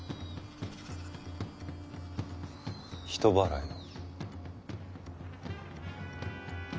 人払いを。